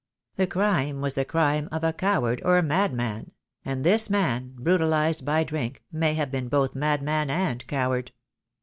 The crime was the crime of a coward or a mad man; and this man, brutalized by drink, may have been both madman and coward.